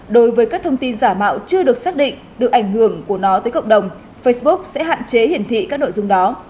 đối với các thông tin giả mạo chưa được xác định được ảnh hưởng của nó tới cộng đồng facebook sẽ hạn chế hiển thị các nội dung đó